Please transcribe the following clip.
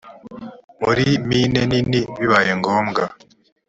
muri mine nini bibaye ngombwa